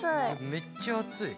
めっちゃ熱い。